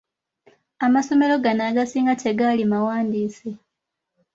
Amasomero gano agasinga tegaali mawandiise.